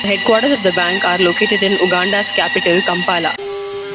The headquarters of the bank are located in Uganda's capital, Kampala.